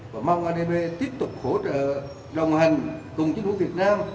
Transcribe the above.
và mong adb tiếp tục hỗ trợ đồng hành cùng chính phủ việt nam